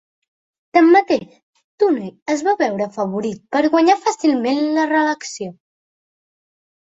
Tanmateix, Tunney es va veure afavorit per guanyar fàcilment la reelecció.